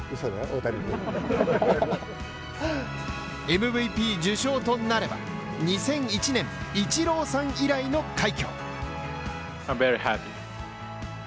ＭＶＰ受賞となれば、２００１年、イチローさん以来の快挙。